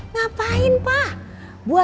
ya pun semua